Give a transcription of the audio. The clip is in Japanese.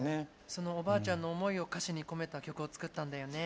そのおばあちゃんの思いを歌詞に込めた曲を作ったんだよね。